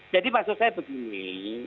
jadi maksud saya begini